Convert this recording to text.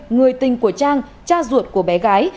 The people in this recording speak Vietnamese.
người tình của trang cha ruột của bé gái